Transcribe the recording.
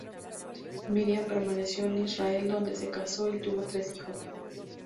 Miriam permaneció en Israel, donde se casó y tuvo tres hijos.